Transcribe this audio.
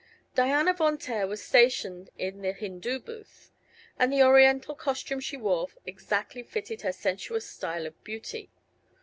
Diana Von Taer was stationed in the "Hindoo Booth," and the oriental costume she wore exactly fitted her sensuous style of beauty.